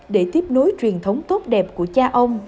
để tiếp nối truyền thống tốt đẹp của cha ông